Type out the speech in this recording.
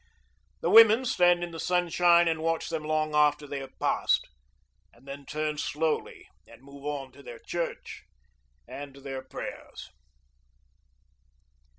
The women stand in the sunshine and watch them long after they have passed, and then turn slowly and move on to their church and their prayers.